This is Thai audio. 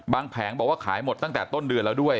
แผงบอกว่าขายหมดตั้งแต่ต้นเดือนแล้วด้วย